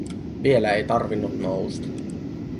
Vielä ei tarvinnut nousta.